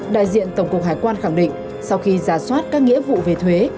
đại diện tổng cục hải quan khẳng định sau khi giả soát các nghĩa vụ về thuế